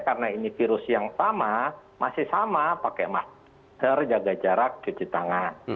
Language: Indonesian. karena ini virus yang sama masih sama pakai masker jaga jarak cuci tangan